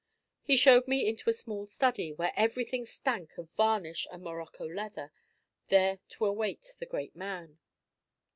He showed me into a small study, where everything stank of varnish and morocco leather, there to await the great man.